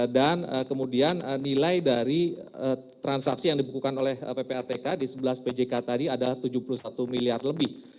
dan kemudian nilai dari transaksi yang dibukukan oleh ppatk di sebelah pjk tadi ada rp tujuh puluh satu miliar lebih